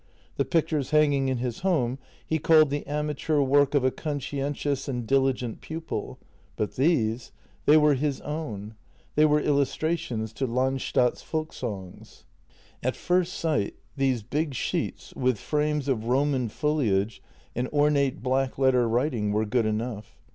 The pictures hanging in his home he called the amateur work of a conscientious and diligent pupil, but these — they were his own. They were illustrations to Land stad's Folksongs. At first sight these big sheets with frames of Roman foliage and ornate black letter writing were good enough.